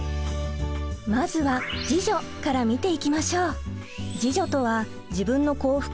まずは自助から見ていきましょう。